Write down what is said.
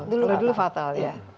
dulu dulu fatal ya